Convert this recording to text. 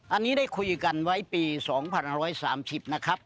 อันนี้ได้คุยกันไว้ปี๒๕๓๐นะครับ